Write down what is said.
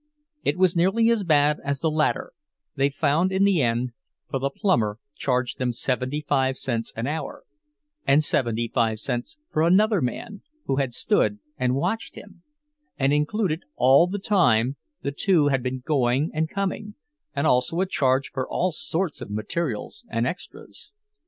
It was nearly as bad as the latter, they found in the end, for the plumber charged them seventy five cents an hour, and seventy five cents for another man who had stood and watched him, and included all the time the two had been going and coming, and also a charge for all sorts of material and extras.